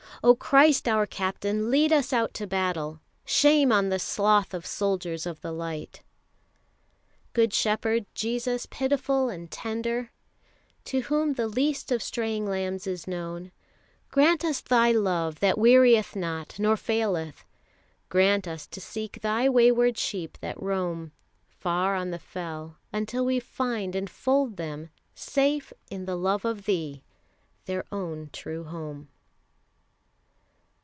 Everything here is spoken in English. O Christ our Captain, lead us out to battle! Shame on the sloth of soldiers of the light! Good Shepherd, Jesus, pitiful and tender, To whom the least of straying lambs is known, Grant us Thy love that wearieth not, nor faileth; Grant us to seek Thy wayward sheep that roam Far on the fell, until we find and fold them Safe in the love of Thee, their own true home.